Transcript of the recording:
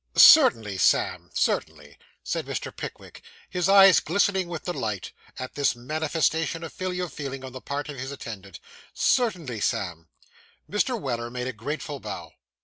'Certainly, Sam, certainly,' said Mr. Pickwick, his eyes glistening with delight at this manifestation of filial feeling on the part of his attendant; 'certainly, Sam.' Mr. Weller made a grateful bow.